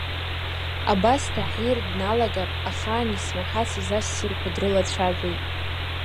Абас Таҳир дналагап, ахаан исмаҳацыз ассирқуа дрылацәажәеит.